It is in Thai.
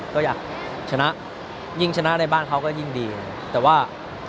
ก็อยากชนะยิ่งชนะในบ้านเขาก็ยิ่งดีแต่ว่า